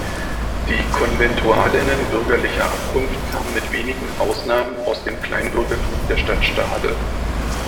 Die Konventualinnen bürgerlicher Abkunft kamen mit wenigen Ausnahmen aus dem Kleinbürgertum der Stadt Stade.